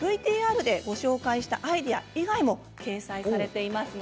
ＶＴＲでご紹介したアイデア以外も掲載されています。